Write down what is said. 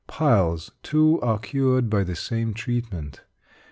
Piles, too, are cured by the same treatment.